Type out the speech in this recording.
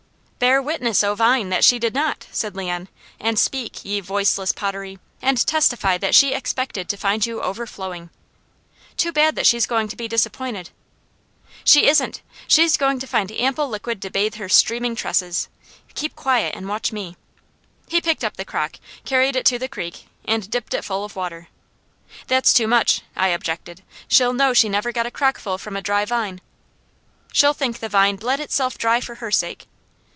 "Bear witness, O vine! that she did not," said Leon, "and speak, ye voiceless pottery, and testify that she expected to find you overflowing." "Too bad that she's going to be disappointed." "She isn't! She's going to find ample liquid to bathe her streaming tresses. Keep quiet and watch me." He picked up the crock, carried it to the creek and dipped it full of water. "That's too much," I objected. "She'll know she never got a crock full from a dry vine." "She'll think the vine bled itself dry for her sake."